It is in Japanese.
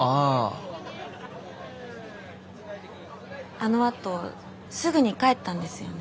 あのあとすぐに帰ったんですよね？